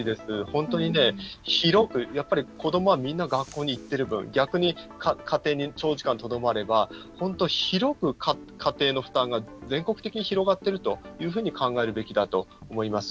本当に広く子どもはみんな学校に行っている分逆に家庭に長時間とどまれば本当、広く家庭の負担が全国的に広がってるというふうに考えるべきだと思います。